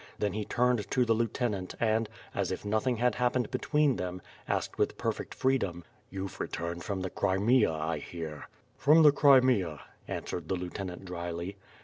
Then he turned to the lieutenant and, as if nothing had happened between them, asked with perfect free dom: ^TTouVe returned from the Crimea, I hear?" From the Crimea!" answered the lieutenant dryly.